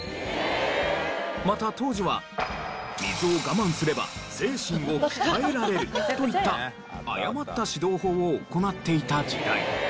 また当時は「水を我慢すれば精神を鍛えられる！」といった誤った指導法を行っていた時代。